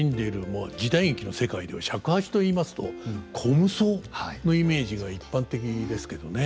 まあ時代劇の世界では尺八といいますと虚無僧のイメージが一般的ですけどね。